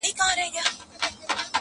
هر یو ټکی یې ګلګون دی نازوه مي -